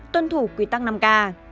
hai tuân thủ quy tắc năm k